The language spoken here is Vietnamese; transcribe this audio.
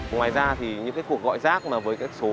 ngoài ra những cuộc gọi rác với các số